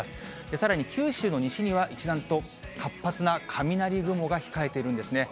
さらに九州の西には一段と活発な雷雲が控えているんですね。